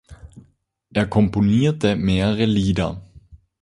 Er komponierte mehrere Lieder.